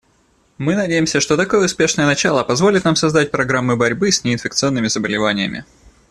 Мы надеемся, что такое успешное начало позволит нам создать программы борьбы с неинфекционными заболеваниями.